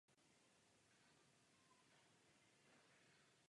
Vážený pane komisaři, rád bych učinil celkem čtyři připomínky.